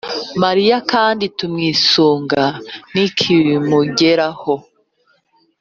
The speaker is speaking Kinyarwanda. mariya kandi tumwisunga. nikimugeraho